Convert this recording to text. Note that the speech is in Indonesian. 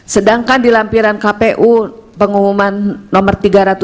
sedangkan di lampiran kpu pengumuman nomor tiga ratus tujuh puluh